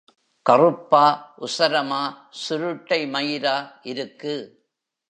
கறுப்பா உசரமா சுருட்டை மயிரா இருக்கு.